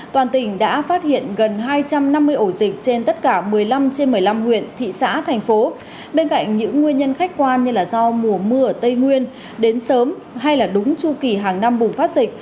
trên tất cả một mươi năm trên một mươi năm huyện thị xã thành phố bên cạnh những nguyên nhân khách quan như là do mùa mưa ở tây nguyên đến sớm hay là đúng chu kỳ hàng năm bùng phát dịch